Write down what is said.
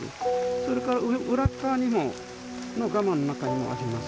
それから裏っ側のガマの中にもあります。